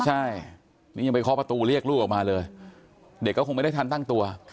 ใช่นี่ยังไปเคาะประตูเรียกลูกออกมาเลยเด็กก็คงไม่ได้ทันตั้งตัว